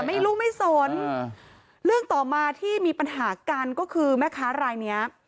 ไม่รู้ไม่สนเรื่องต่อมาที่มีปัญหากันก็คือแม่ค้ารายเนี้ย